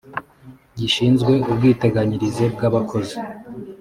gishinzwe ubwiteganyirize bw abakozi